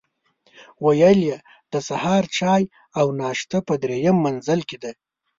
ویل یې د سهار چای او ناشته په درېیم منزل کې ده.